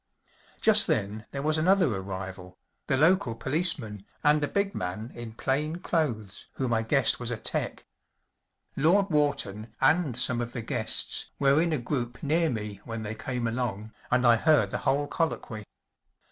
Just then there was another arrival‚ÄĒthe local policeman and a big man in plain clothes whom I guessed was a 'tec. Lord Wharton and some of the guests were in a group near me when they came along, and I heard the whole colloquy.